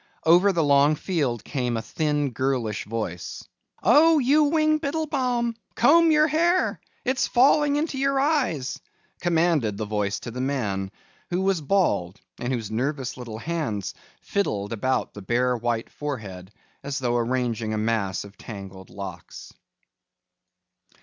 Over the long field came a thin girlish voice. "Oh, you Wing Biddlebaum, comb your hair, it's falling into your eyes," commanded the voice to the man, who was bald and whose nervous little hands fiddled about the bare white forehead as though arranging a mass of tangled locks.